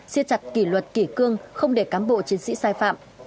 siết chặt kỷ luật kỷ cương không để cám bộ chiến sĩ sai phạm